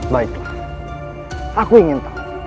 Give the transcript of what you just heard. baiklah aku ingin tahu